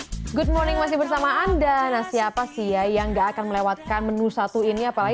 hai good morning masih bersama anda siapa sih ya yang gak akan melewatkan menu satu ini apalagi